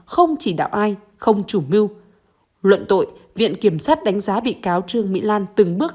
không chỉ đạo ai không chủ mưu luận tội viện kiểm sát đánh giá bị cáo trương mỹ lan từng bước